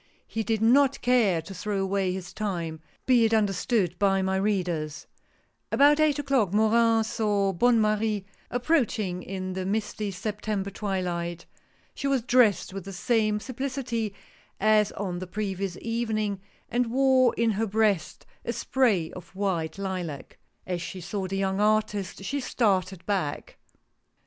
He did not care to throw away his time, be it under stood, by my readers. About eight o'clock Morin saw Bonne Marie ap proaching in the misty September twilight. She was dressed with the same simplicity as on the previous evening, and wore in her breast a spray of white lilac. As she saw the young artist she started back.